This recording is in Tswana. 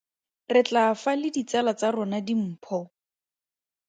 Re tlaa fa le ditsala tsa rona dimpho.